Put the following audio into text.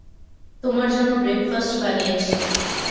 তোমার জন্য ব্রেকফাস্ট বানিয়েছি।